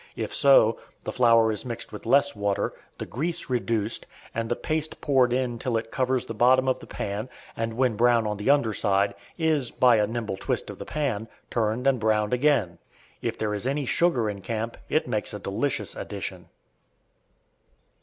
If so, the flour is mixed with less water, the grease reduced, and the paste poured in till it covers the bottom of the pan, and, when brown on the underside, is, by a nimble twist of the pan, turned and browned again. If there is any sugar in camp it makes a delicious addition.